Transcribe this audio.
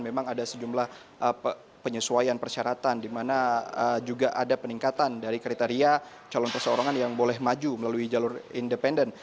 memang ada sejumlah penyesuaian persyaratan di mana juga ada peningkatan dari kriteria calon perseorangan yang boleh maju melalui jalur independen